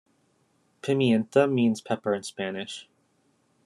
Pimienta means pepper in Spanish.